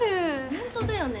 ホントだよね。